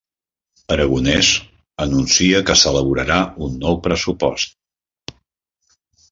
Aragonès anuncia que s'elaborarà un nou pressupost